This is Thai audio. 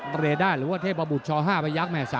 เตรดาหรือว่าเทพบุรุษช้อ๕ไปยักษ์แม่๓